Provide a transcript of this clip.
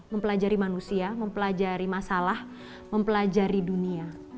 mempelajari manusia mempelajari masalah mempelajari dunia